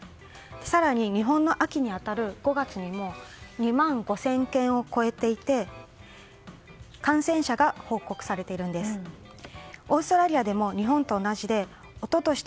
更に日本の秋に当たる５月にも２万５０００件を超えていて感染者が報告されているんです。